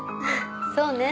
そうね。